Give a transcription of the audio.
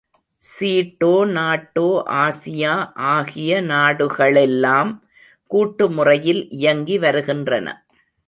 சீட்டோ NATO Asia ஆகிய நாடுகளெல்லாம் கூட்டு முறையில் இயங்கி வருகின்றன.